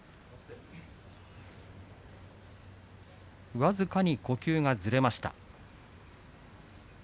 僅かに呼吸がずれました。